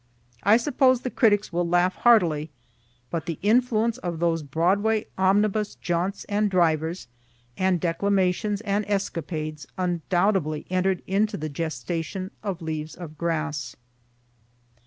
(I suppose the critics will laugh heartily, but the influence of those Broadway omnibus jaunts and drivers and declamations and escapades undoubtedly enter'd into the gestation of "Leaves of Grass.")